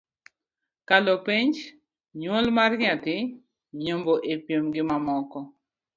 kalo penj, nywol mar nyathi, yombo e piem gimamoko